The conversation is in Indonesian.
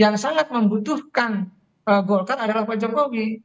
yang sangat membutuhkan golkar adalah pak jokowi